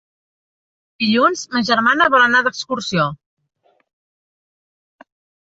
Dilluns ma germana vol anar d'excursió.